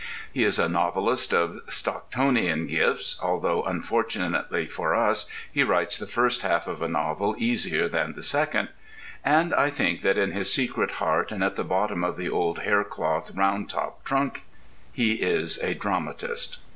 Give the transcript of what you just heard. He is a novelist of Stocktonian gifts, although unfortunately for us he writes the first half of a novel easier than the second. And I think that in his secret heart and at the bottom of the old haircloth round top trunk he is a dramatist.